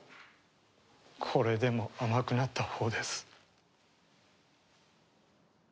これでも甘くなったほうです。